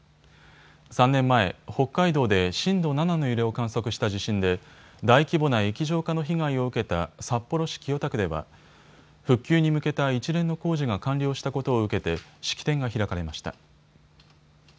３年前、北海道で震度７の揺れを観測した地震で大規模な液状化の被害を受けた札幌市清田区では復旧に向けた一連の工事が完了したことを受けて式典が開かれました。